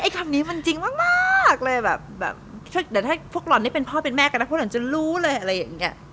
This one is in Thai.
คำนี้มันจริงมากเลยแบบเดี๋ยวถ้าพวกเรานี่เป็นพ่อเป็นแม่กันนะพวกเราจะรู้เลยอะไรอย่างนี้